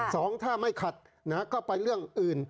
สองถ้าไม่ขัดนะก็ไปเรื่องอื่น